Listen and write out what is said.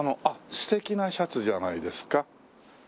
あっ素敵なシャツじゃないですか。